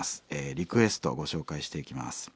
リクエストをご紹介していきます。